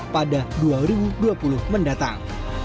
pada dua ribu dua puluh mendatang